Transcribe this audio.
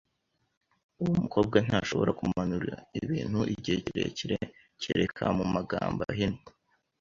Uwo mukobwa ntashobora kumanura ibintu igihe kirekire, kereka mu magambo ahinnye.